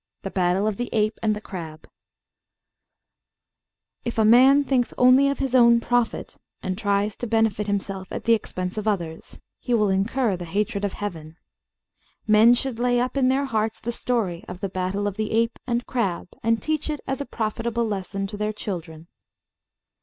THE BATTLE OF THE APE AND THE CRAB If a man thinks only of his own profit, and tries to benefit himself at the expense of others, he will incur the hatred of Heaven. Men should lay up in their hearts the story of the Battle of the Ape and Crab, and teach it, as a profitable lesson, to their children.